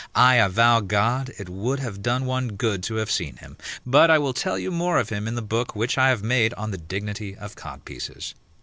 I avow God, it would have done one good to have seen him, but I will tell you more of him in the book which I have made of the dignity of codpieces.